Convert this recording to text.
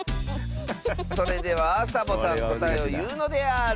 それではサボさんこたえをいうのである！